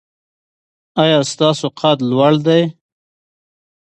ایا ستاسو قد لوړ دی؟